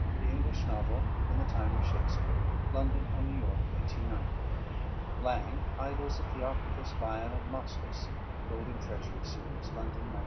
The English Novel in the Time of Shakespeare, London and New York, 1890. LANG. Idylls of Theocritus, Bion, and Moschus (Golden Treasury Series), London, 1901.